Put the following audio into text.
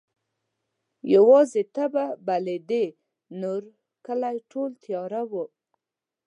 یواځي ته به بلېدې نورکلی ټول تیاره وو